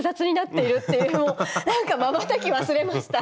なんかまばたき忘れました。